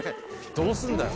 どうすんだよ。